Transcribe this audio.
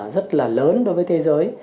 rất là lớn đối với thế giới